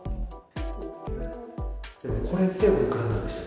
これっておいくらなんですか？